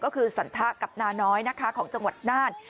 ก็คือสันทะกับนาน้อยนะคะของจังหวัดน่าน